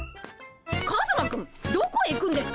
カズマくんどこへ行くんですか？